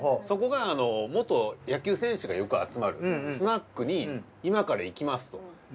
そこが元野球選手がよく集まるスナックに今から行きますと。